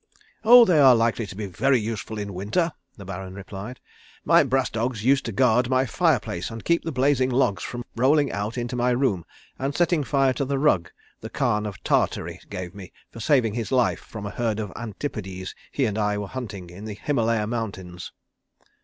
"Oh they are likely to be very useful in winter," the Baron replied. "My brass dogs used to guard my fire place and keep the blazing logs from rolling out into my room and setting fire to the rug the Khan of Tartary gave me for saving his life from a herd of Antipodes he and I were hunting in the Himalaya Mountains."